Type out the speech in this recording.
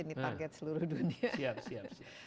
ini target seluruh dunia